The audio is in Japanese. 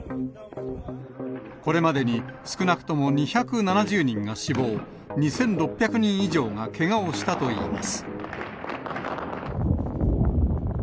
これまでに少なくとも２７０人が死亡、２６００人以上がけがをしたといいます。